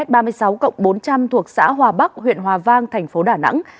thuộc xã hòa bắc huyện hòa vang thành phố đà nẵng